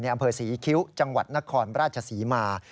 อำเภอศรีคิ้วจังหวัดนครราชศรีมา